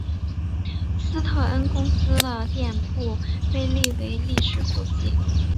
斯特恩公司的店铺被列为历史古迹。